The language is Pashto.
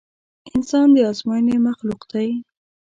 انسان د ازموينې مخلوق دی.